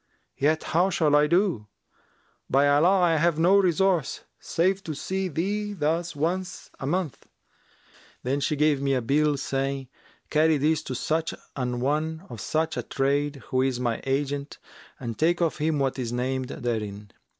Yet how shall I do? By Allah, I have no resource save to see thee thus once a month.' Then she gave me a bill saying, 'Carry this to such an one of such a trade who is my agent and take of him what is named therein.'